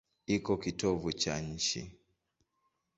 Iko kitovu cha nchi.